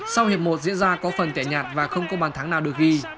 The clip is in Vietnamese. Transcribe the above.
sau hiệp một diễn ra có phần tệ nhạt và không có bàn thắng nào được ghi